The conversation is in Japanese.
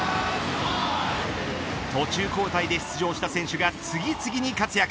途中交代で出場した選手が次々に活躍。